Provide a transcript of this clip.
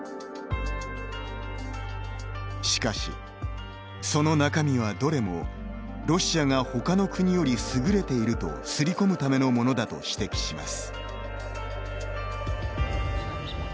しかしその中身はどれもロシアがほかの国より優れていると刷り込むためのものだと指摘します。